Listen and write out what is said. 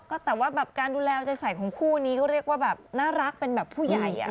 ก็แต่ว่าแบบการดูแลใจใส่ของคู่นี้เขาเรียกว่าแบบน่ารักเป็นแบบผู้ใหญ่